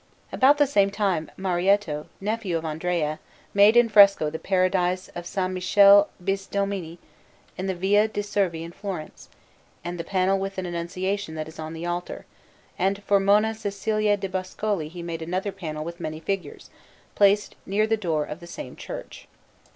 About the same time Mariotto, nephew of Andrea, made in fresco the Paradise of S. Michele Bisdomini, in the Via de' Servi in Florence, and the panel with an Annunciation that is on the altar; and for Monna Cecilia de' Boscoli he made another panel with many figures, placed near the door of the same church.